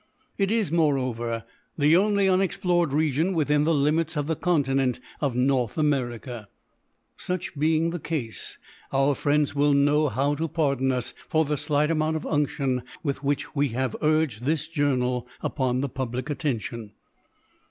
It is, moreover, the only unexplored region within the limits of the continent of North America. Such being the case, our friends will know how to pardon us for the slight amount of unction with which we have urged this Journal upon the public attention.